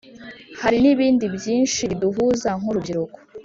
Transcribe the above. hari n’ibindi byinshi biduhuza nk’urubyiruko.